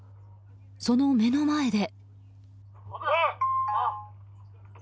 その目の前で。